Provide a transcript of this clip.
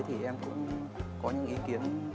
thì em cũng có những ý kiến